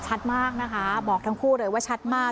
ชัดมากนะคะบอกทั้งคู่เลยว่าชัดมาก